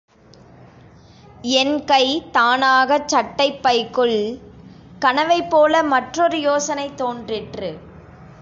என் கை தானாகச் சட்டைப் பைக்குள்... கனவைப்போல மற்றொரு யோசனை தோன்றிற்று.